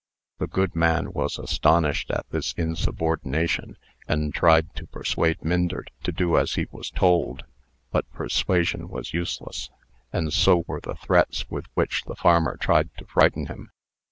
The good man was astonished at this insubordination, and tried to persuade Myndert to do as he was told. But persuasion was useless; and so were the threats with which the farmer tried to frighten him.